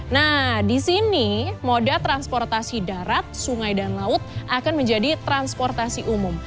nah di sini moda transportasi darat sungai dan laut akan menjadi transportasi umum